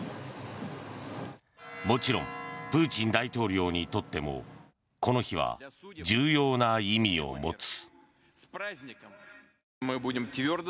もちろんプーチン大統領にとってもこの日は重要な意味を持つ。